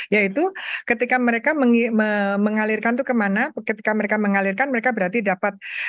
yaitu ketika mereka mengalirkan itu kemana ketika mereka mengalirkan mereka berarti dapat